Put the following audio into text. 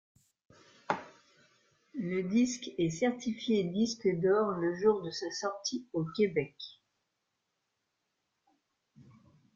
Le disque est certifié disque d'or le jour de sa sortie au Québec.